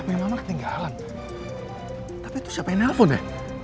memang ketinggalan tapi itu siapa yang nelfonnya